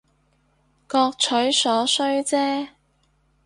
各取所需姐